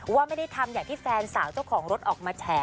ว่าไม่ได้ทำอย่างที่แฟนสาวเจ้าของรถออกมาแฉ